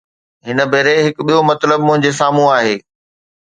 هن ڀيري هڪ ٻيو مطلب منهنجي سامهون آهي.